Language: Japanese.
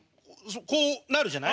こうなるじゃない？